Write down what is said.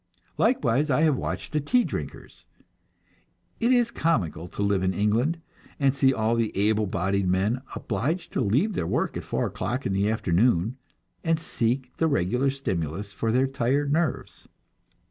Likewise, I have watched the tea drinkers. It is comical to live in England, and see all the able bodied men obliged to leave their work at four o'clock in the afternoon, and seek the regular stimulus for their tired nerves.